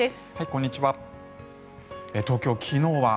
こんにちは。